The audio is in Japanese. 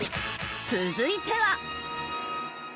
続いては。